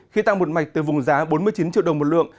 khi tăng một mạch từ vùng giá bốn mươi chín triệu đồng một lượng